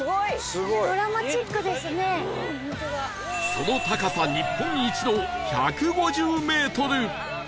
その高さ日本一の１５０メートル！